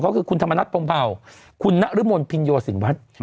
เขาก็คือคุณธรรมนัสพงภาวคุณนรมนภิโยศิหวัฒน์